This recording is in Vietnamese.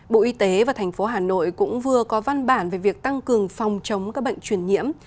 bộ y tế và thành phố hà nội cũng vừa có văn bản về việc tăng cường phòng chống các bệnh truyền nhiễm